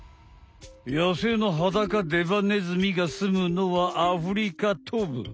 やせいのハダカデバネズミがすむのはアフリカ東部。